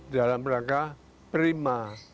dalam rangka prima